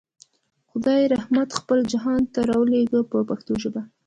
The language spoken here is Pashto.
خدای رحمت خپل جهان ته راولېږه په پښتو ژبه.